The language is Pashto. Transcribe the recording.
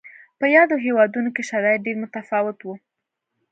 په یادو هېوادونو کې شرایط ډېر متفاوت و.